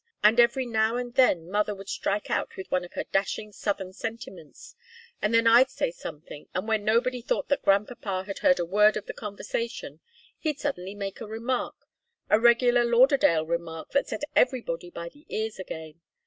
And every now and then mother would strike out with one of her dashing southern sentiments, and then I'd say something, and when nobody thought that grandpapa had heard a word of the conversation, he'd suddenly make a remark a regular Lauderdale remark that set everybody by the ears again.